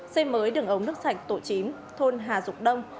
xây mới đường ống nước sạch tổ chín thôn hà dục đông